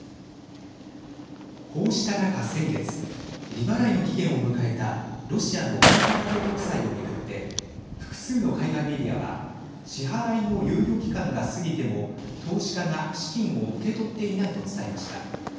こうした中、先月利払いの期限を迎えたロシアの外貨建て国債を巡って複数の海外メディアは支払いの猶予期間が過ぎても投資家が資金を受け取っていないと伝えました。